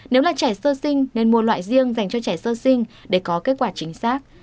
nếu là trẻ sơ sinh nên mua loại riêng dành cho trẻ sơ sinh để có kết quả chính xác